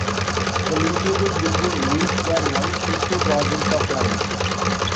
The linkages between leads were once simple crossings of lines.